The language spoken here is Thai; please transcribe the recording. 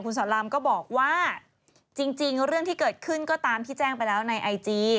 สอนรามก็บอกว่าจริงเรื่องที่เกิดขึ้นก็ตามที่แจ้งไปแล้วในไอจี